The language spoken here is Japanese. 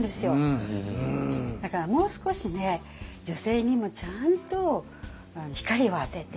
だからもう少しね女性にもちゃんと光を当てて。